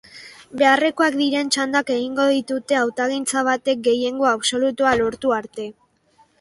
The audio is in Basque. Beharrekoak diren txandak egingo ditute hautagaitza batek gehiengo absolutua lortu arte.